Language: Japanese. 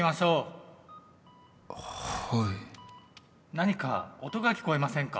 何か音が聞こえませんか？